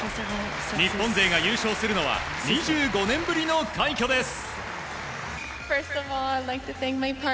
日本勢が優勝するのは２５年ぶりの快挙です！